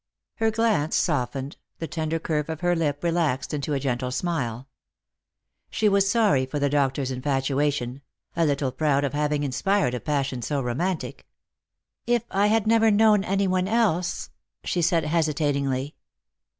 Her glance softened, the tender curve of her lip relaxed into a gentle smile. She was sorry for the doctor's infatutation — a little proud of having inspired a passion so romantic. " If I had never known any one else " she said hesitatingly.